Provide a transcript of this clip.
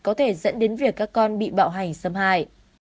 có thể dẫn đến việc các con bị bạo hành xâm hại